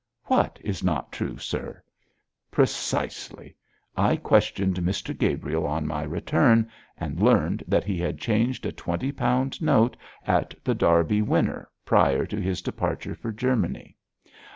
'What is not true, sir?' 'Precisely. I questioned Mr Gabriel on my return, and learned that he had changed a twenty pound note at The Derby Winner prior to his departure for Germany.